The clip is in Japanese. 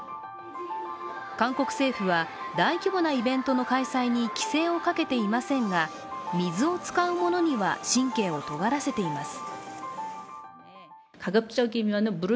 韓国政府は大規模なイベントの開催に規制をかけていませんが水を使うものには神経を尖らせています。